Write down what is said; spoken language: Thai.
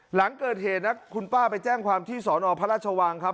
หลังเกิดเหตุนะคุณป้าไปแจ้งความที่สอนอพระราชวังครับ